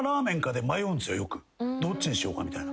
「どっちにしようか？」みたいな。